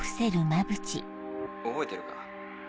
覚えてるか？